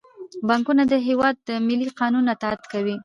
بانکونه د هیواد د مالي قانون اطاعت کوي.